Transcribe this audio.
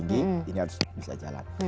tinggi ini harus bisa jalan